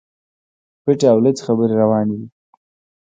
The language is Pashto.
پټي او لڅي خبري رواني دي.